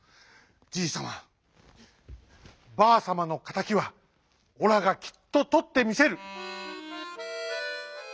じいさまばあさまのかたきはオラがきっととってみせる！」。